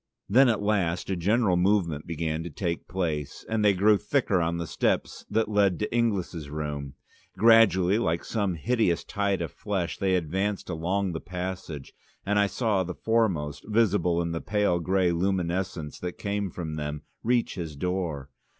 Then at last a general movement began to take place, and they grew thicker on the steps that led to Inglis' room. Gradually, like some hideous tide of flesh, they advanced along the passage, and I saw the foremost, visible by the pale grey luminousness that came from them, reach his door.